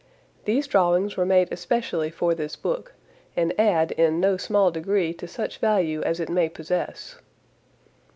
These drawings were made especially for this book and add in no small degree to such value as it may possess.